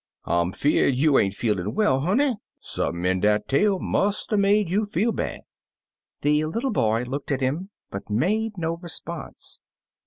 " I 'm fear'd you ain't feelin' well, honey. Sump*n in dat tale must 'a' made you feel bad." The little boy looked at him, but made no response.